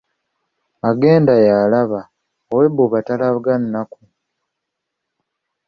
Agenda y’alaba, ow’ebbuba talaga nnaku.